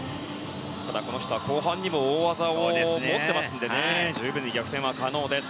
ただこの人は後半にも大技を持っていますので十分に逆転は可能です。